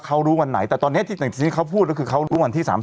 เขารู้วันไหนแต่ตอนนี้สิ่งที่เขาพูดก็คือเขารู้วันที่๓๐